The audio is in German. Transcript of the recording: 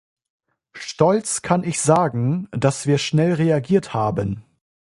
Stolz kann ich sagen, dass wir schnell reagiert haben.